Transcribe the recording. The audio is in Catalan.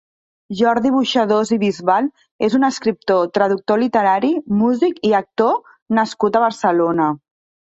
Jordi Boixadós i Bisbal és un escriptor, traductor literari, músic i actor nascut a Barcelona.